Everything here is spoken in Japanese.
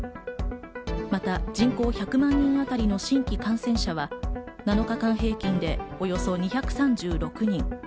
また人口１００万人あたりの新規感染者は、７日間平均でおよそ２３６人。